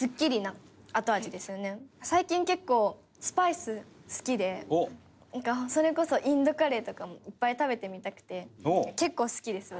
最近結構スパイス好きでそれこそインドカレーとかもいっぱい食べてみたくて結構好きです！